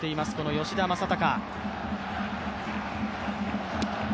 吉田正尚。